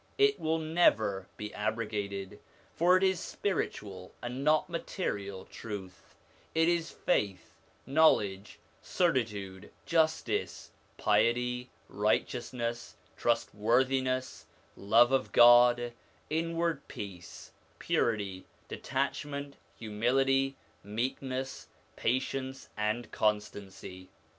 It will never be abrogated, for it is spiritual and not material truth; it is faith, knowledge, certitude, justice, piety, righteousness, trust 1 The Gate, i.e. precursor. 56 SOME ANSWERED QUESTIONS worthiness, love of God, inward peace, purity, detach ment, humility, meekness, patience, and constancy.